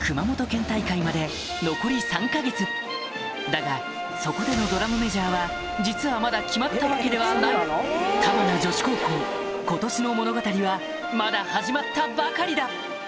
だがそこでのドラムメジャーは実はまだ決まったわけではない玉名女子高校今年の物語はまだ始まったばかりだ！